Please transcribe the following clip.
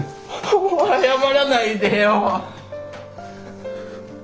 謝らないでよ！